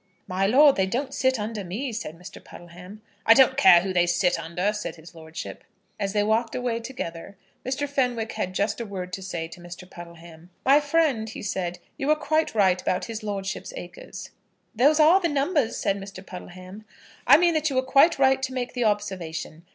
"My lord, they don't sit under me," said Mr. Puddleham. "I don't care who they sit under," said his lordship. As they walked away together, Mr. Fenwick had just a word to say to Mr. Puddleham. "My friend," he said, "you were quite right about his lordship's acres." "Those are the numbers," said Mr. Puddleham. "I mean that you were quite right to make the observation.